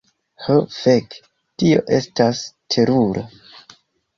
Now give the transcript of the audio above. Ho fek. Tio estas terura.